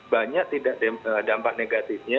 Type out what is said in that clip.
banyak dampak negatifnya